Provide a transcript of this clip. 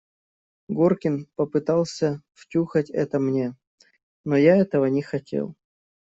Горкин попытался втюхать это мне, но я этого не хотел.